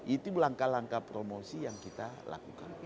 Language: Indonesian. itu langkah langkah promosi yang kita lakukan